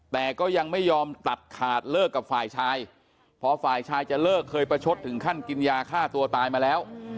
แต่ก็ยังไม่ยอมตัดขาดเลิกกับฝ่ายชายพอฝ่ายชายจะเลิกเคยประชดถึงขั้นกินยาฆ่าตัวตายมาแล้ว